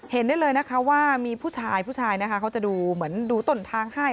เห็นได้เลยนะคะว่ามีผู้ชายเขาจะดูเหมือนดูตนทางให้